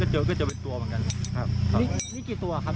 ไม่แน่ใจต้องหาทีมฝั่งนู้นนะครับ